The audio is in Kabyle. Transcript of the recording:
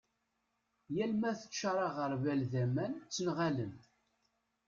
yal ma teččar aγerbal d aman ttenγalen-d